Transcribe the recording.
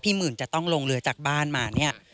หมื่นจะต้องลงเรือจากบ้านมาเนี่ย